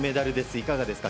いかがですか？